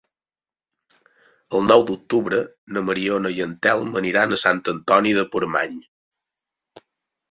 El nou d'octubre na Mariona i en Telm aniran a Sant Antoni de Portmany.